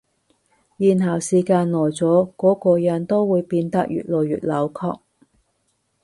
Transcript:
然後時間耐咗，嗰個人都會變得越來越扭曲